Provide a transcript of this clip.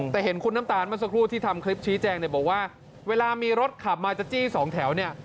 แต่เห็นคุณน้ำตาลเมื่อสักครู่ที่ทำคลิปชี้แจงเนี่ยบอกว่าเวลามีรถขับมาจะจี้สองแถวเนี่ย